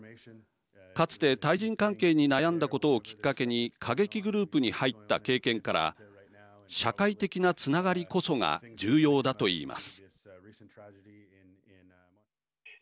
かつて対人関係に悩んだことをきっかけに過激グループに入った経験から社会的なつながりこそが重要だと言います。